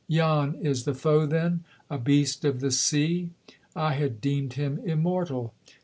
'Yon is the foe, then? A beast of the sea? I had deemed him immortal.